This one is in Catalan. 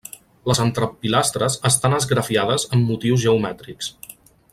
Les entrepilastres estan esgrafiades amb motius geomètrics.